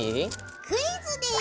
クイズです。